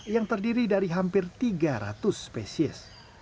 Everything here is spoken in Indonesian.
yang terdiri dari hampir tiga ratus spesies